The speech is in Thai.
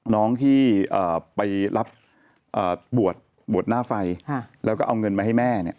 น้องที่ไปรับบวชบวชหน้าไฟแล้วก็เอาเงินมาให้แม่เนี่ย